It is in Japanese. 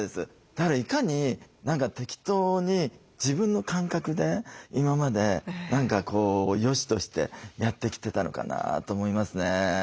だからいかに適当に自分の感覚で今までよしとしてやってきてたのかなと思いますね。